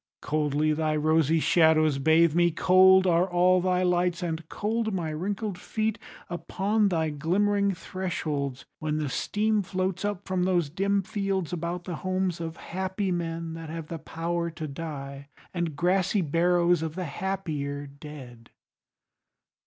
Coldly thy rosy shadows bathe me, cold Are all thy lights, and cold my wrinkled feet Upon thy glimmering thresholds, when the steam Floats up from those dim fields about the homes Of happy men that have the power to die, And grassy barrows of the happier dead.